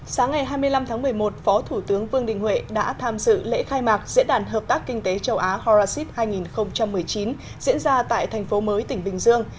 sáng ngày hai mươi năm tháng một mươi một phó thủ tướng vương đình huệ đã tham dự lễ khai mạc diễn đàn hợp tác kinh tế châu á horacit hai nghìn một mươi chín diễn ra tại thành phố mới tỉnh bình dương